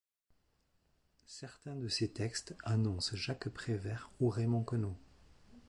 Certains de ses textes annoncent Jacques Prévert ou Raymond Queneau.